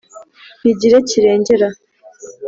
ntigire kirengera